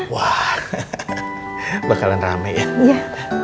wah bakalan rame ya